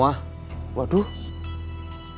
masih sakit sakit semua